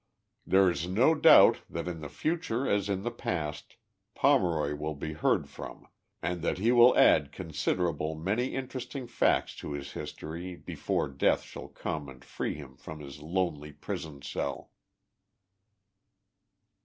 Ihere is no doubt that in the future as in the past Pomeroy will be heard from and that he will add considerable many inter esting facts to his history before death shall come and free him from his lonely prison cell.